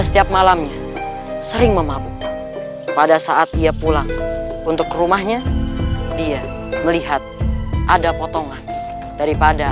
setiap malamnya sering memabuk pada saat ia pulang untuk ke rumahnya dia melihat ada potongan daripada